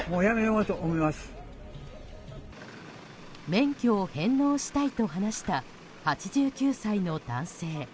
免許を返納したいと話した８９歳の男性。